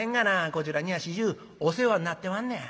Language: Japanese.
こちらには始終お世話になってまんねや。